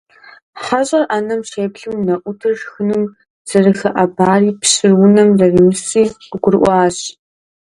ХьэщӀэр Ӏэнэм щеплъым, унэӀутыр шхыным зэрыхэӀэбари пщыр унэм зэримысри къыгурыӀуащ.